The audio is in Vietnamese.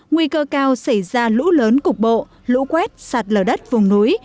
nguy cơ cao xảy ra lũ lớn cục bộ lũ quét sạt lở đất vùng núi